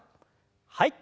はい。